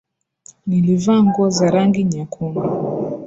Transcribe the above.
Nilivaa nguo za rangi nyekundu